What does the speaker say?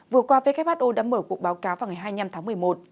vừa qua who đã mở cuộc báo cáo vào ngày hai mươi năm tháng một mươi một